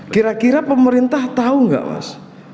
kira kira pemerintah tahu nggak mas